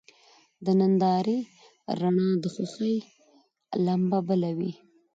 د نندارې رڼا د خوښۍ لمبه بله وي.